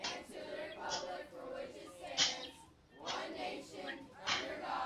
La ”respubliko” elektis kiel sian oficialan lingvon Esperanton, havis registaron, monunuon kaj eldonis poŝtmarkojn.